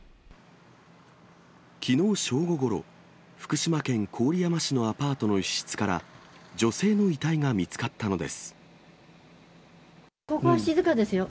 きのう正午ごろ、福島県郡山市のアパートの一室から、女性の遺体が見つかったのでここは静かですよ。